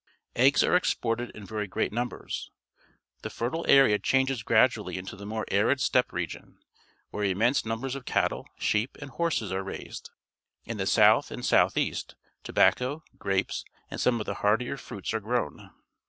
Eggs are ex ported in very great numbers. The fertile area changes graduaUy into the more arid steppe region, where inmiense numbers of cattle, sheep, and hor ses are raised. In the south and south east tobacco, grapes, and some of the hardier fruits are grown.